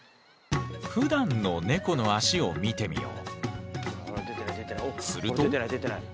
ふだんのネコの足を見てみよう。